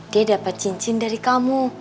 dia dapat cincin dari kamu